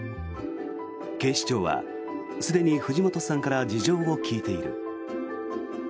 警視庁はすでに藤本さんから事情を聴いている。